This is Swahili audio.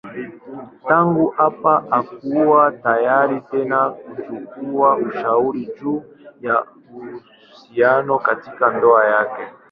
Tangu hapa hakuwa tayari tena kuchukua ushauri juu ya uhusiano katika ndoa yake.